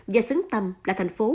và xứng tâm là thành phố